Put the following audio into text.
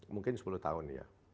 mungkin sepuluh tahun ya